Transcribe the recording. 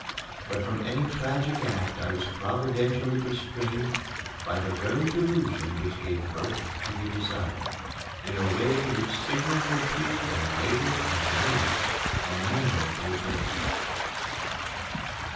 But from any tragic act I was providentially restrained by the very delusion which gave birth to the desire in a way which signally appeared on a later and, to me, a memorable day.